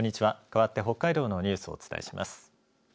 かわって北海道のニュースをお伝えします。